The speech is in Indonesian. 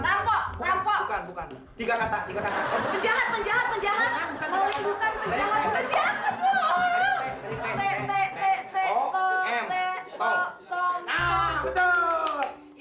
lampu lampu bukan bukan tiga kata kata penjahat penjahat penjahat